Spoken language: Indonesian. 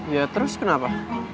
ya terus kenapa